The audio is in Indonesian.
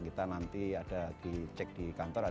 kita nanti ada di cek di internet